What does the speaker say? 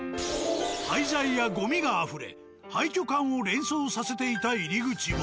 廃材やゴミが溢れ廃墟感を連想させていた入り口は。